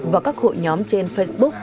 và các hội nhóm trên facebook